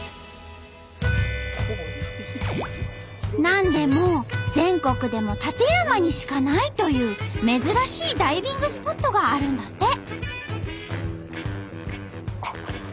なんでも全国でも館山にしかないという珍しいダイビングスポットがあるんだって！